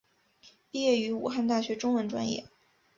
毕业于武汉大学中文专业。